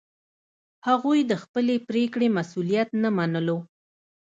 هغوی د خپلې پرېکړې مسوولیت نه منلو.